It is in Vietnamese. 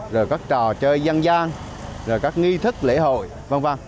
rồi các trò chơi dân gian rồi các nghi thức lễ hội v v